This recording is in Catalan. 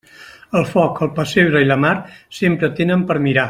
El foc, el pessebre i la mar sempre tenen per mirar.